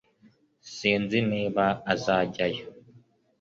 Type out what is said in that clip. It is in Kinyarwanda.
Sinzi niba azajyayo